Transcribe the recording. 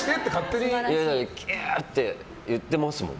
キューって言ってますもん。